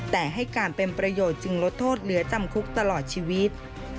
แต่ให้การเป็นประโยชน์จึงลดโทษเหลือจำคุกตลอดชีวิต